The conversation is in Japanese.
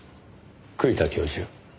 栗田教授